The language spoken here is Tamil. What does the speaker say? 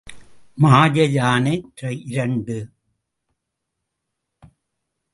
மாய யானை இரண்டு.